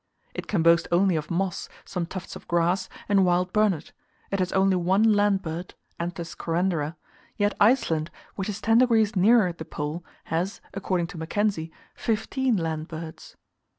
It can boast only of moss, some tufts of grass, and wild burnet; it has only one land bird (Anthus correndera), yet Iceland, which is 10 degs. nearer the pole, has, according to Mackenzie, fifteen land birds.